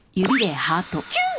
キュン！？